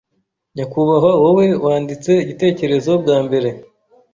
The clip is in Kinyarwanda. Nyakubahwa wowe wanditse igitekerezo bwa mbere,